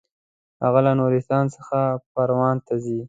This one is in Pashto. هغه له نورستان څخه پروان ته ځي.